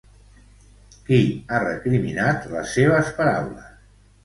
Qui ha recriminat les seves paraules?